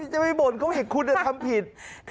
จะมีบ่นก็เห็นคุณเดี๋ยวทำผิด